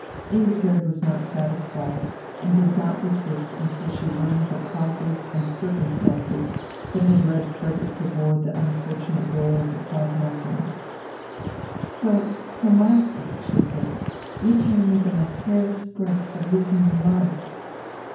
Ingigerd was not satisfied, and did not desist until she learned the causes and circumstances that had led Frederick to board the unfortunate Roland at Southampton. "So for my sake," she said, "you came within a hair's breadth of losing your life.